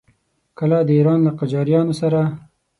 کله د ایران له قاجاریانو سره.